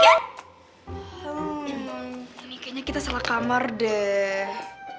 hmm ini kayaknya kita salah kamar deh